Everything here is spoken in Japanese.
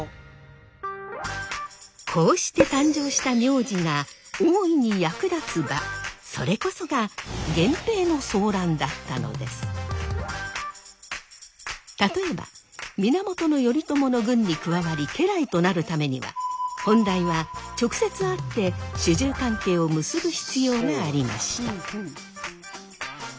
こうして誕生した名字が大いに役立つ場それこそが例えば源頼朝の軍に加わり家来となるためには本来は直接会って主従関係を結ぶ必要がありました。